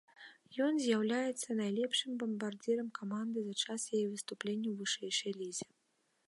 Ён з'яўляецца найлепшым бамбардзірам каманды за час яе выступлення ў вышэйшай лізе.